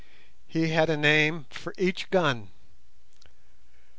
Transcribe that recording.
He had a name for each gun.